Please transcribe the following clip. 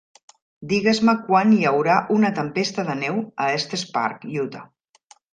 Digues-me quan hi haurà una tempesta de neu a Estes Park, Utah